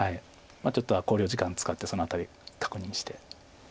ちょっと考慮時間使ってその辺り確認して。